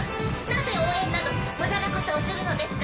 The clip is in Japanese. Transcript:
なぜ応援など無駄なことをするのですか？